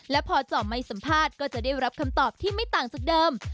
และพอจอมไม่สัมภาษณ์ก็จะได้รับคำตอบที่ไม่ต่างจากเดิม